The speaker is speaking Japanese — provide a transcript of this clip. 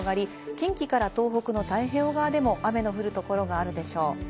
近畿から東北の太平洋側でも雨の降る所があるでしょう。